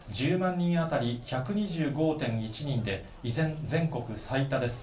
人当たり１２５．１人で、依然、全国最多です。